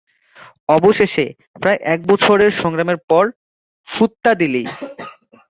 অবশেষে, প্রায় এক বছরের সংগ্রামের পর, হুত্তাদিলি?